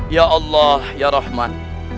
ya allah ya rahman